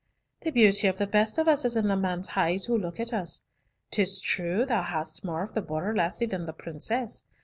the beauty of the best of us is in the man's eyes who looks at us. 'Tis true, thou hast more of the Border lassie than the princess.